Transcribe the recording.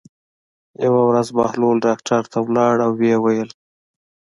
یوه ورځ بهلول ډاکټر ته لاړ او ویې ویل.